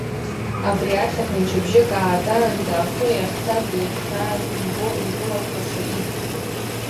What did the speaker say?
Абри ашьҭахь мчыбжьык ааҵаанӡа, афы ахьцаз-иахьааз умбо инкылахәаша иӡит.